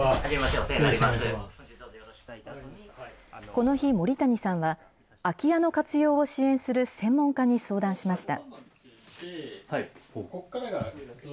この日、森谷さんは、空き家の活用を支援する専門家に相談しました。